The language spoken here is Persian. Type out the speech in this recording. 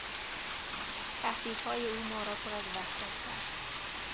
تهدیدهای او ما را پر از وحشت کرد.